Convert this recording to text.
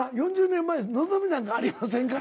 ４０年前のぞみなんかありませんから。